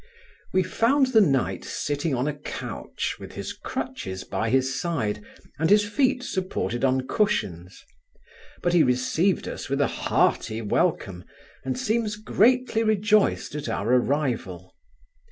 We found the knight sitting on a couch, with his crutches by his side, and his feet supported on cushions; but he received us with a hearty welcome, and seemed greatly rejoiced at our arrival.